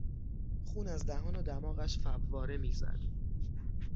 خون از دهان و دماغش فواره میزد.